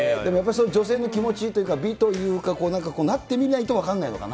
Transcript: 女性の気持ちっていうか、美というか、なってみないと分かんないのかな？